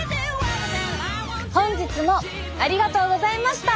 本日もありがとうございました。